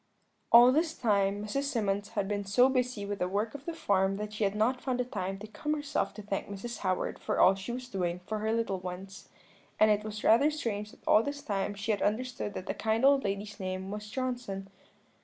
"All this time Mrs. Symonds had been so busy with the work of the farm that she had not found time to come herself to thank Mrs. Howard for all she was doing for her little ones; and it was rather strange that all this time she had understood that the kind old lady's name was Johnson.